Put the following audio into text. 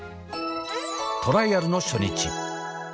トライアルの初日。